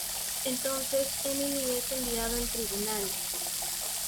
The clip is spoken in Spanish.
Entonces Emily es enviada al tribunal.